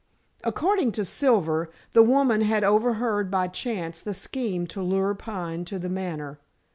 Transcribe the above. According to Silver, the woman had overheard by chance the scheme to lure Pine to The Manor.